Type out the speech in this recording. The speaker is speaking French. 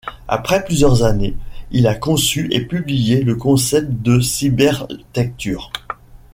Après plusieurs années, il a conçu et publié le concept de Cybertecture.